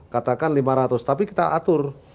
kita kan lima ratus tapi kita atur